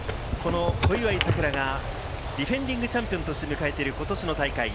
小祝さくらがディフェンディングチャンピオンとして迎えている、ことしの大会。